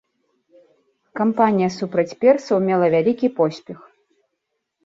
Кампанія супраць персаў мела вялікі поспех.